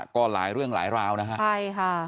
ก็หลายเรื่องหลายราวนะคะ